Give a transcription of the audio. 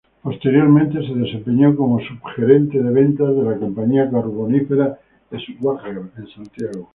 Posteriormente se desempeñó como subgerente de ventas de la compañía carbonífera Schwager en Santiago.